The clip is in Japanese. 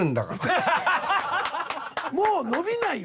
もう伸びないよ。